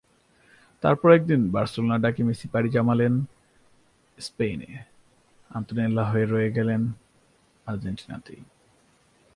তারপর একদিন বার্সেলোনার ডাকে মেসি পাড়ি জমালেন স্পেনে, আন্তোনেল্লা রয়ে গেলেন আর্জেন্টিনাতেই।